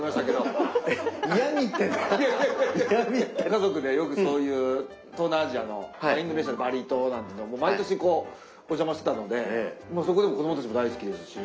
家族でよくそういう東南アジアのインドネシアのバリ島なんてのも毎年お邪魔してたのでそこでも子供たちも大好きですし。